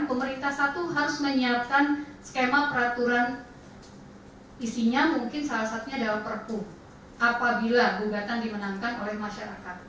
komunitas satu harus menyiapkan skema peraturan isinya mungkin salah satunya dalam perpuh apabila bugatan dimenangkan oleh masyarakat